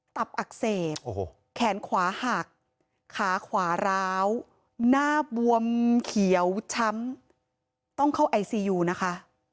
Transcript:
ตับอักเสบแขนขวาหักขาขวาร้าวหน้าบวมเขียวช้ำต้องเข้าไอซียูนะคะ